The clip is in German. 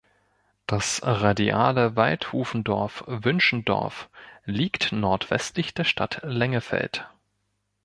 Das radiale Waldhufendorf Wünschendorf liegt nordwestlich der Stadt Lengefeld.